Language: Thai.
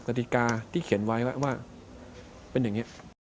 กติกาที่เขียนไว้ว่าเป็นอย่างนี้